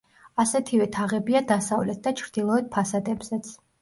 ასეთივე თაღებია დასავლეთ და ჩრდილოეთ ფასადებზეც.